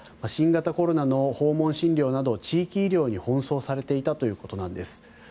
新型コロナの訪問診療など地域医療に奔走されていたということなんです。